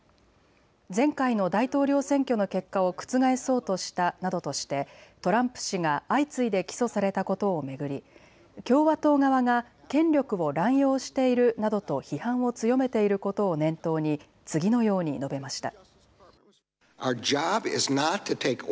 前回の大統領選挙の結果を覆そうとしたなどとしてトランプ氏が相次いで起訴されたことを巡り、共和党側が権力を乱用しているなどと批判を強めていることを念頭に次のように述べました。